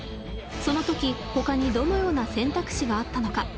その時ほかにどのような選択肢があったのか？